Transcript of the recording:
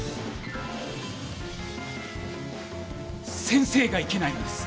先生がいけないんです。